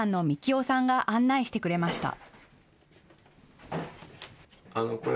夫さんが案内してくれました。